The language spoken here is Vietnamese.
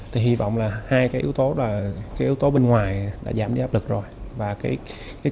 thì hy vọng là hai cái yếu tố là cái yếu tố bên ngoài đã giảm đi áp lực rồi